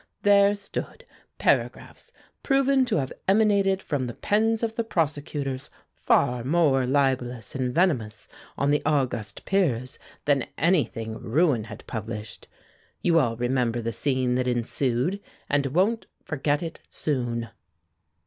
there stood paragraphs proven to have emanated from the pens of the prosecutors far more libelous and venomous on the august peers than anything Rouen had published. You all remember the scene that ensued and won't forget it soon."